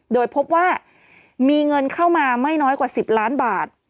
โดยพบว่ามีเงินเข้ามาไม่น้อยกว่า๑๐ล้านบาท